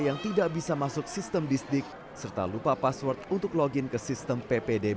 yang tidak bisa masuk sistem distrik serta lupa password untuk login ke sistem ppdb